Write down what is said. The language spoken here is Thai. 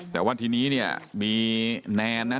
แต่ว่าทีนี้เนี่ยมีแนนนะ